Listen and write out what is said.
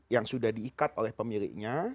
yang sudah diikat oleh pemiliknya